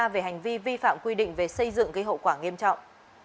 về hành vi vi phạm quy định về xây dựng gây hậu quả nghiêm trọng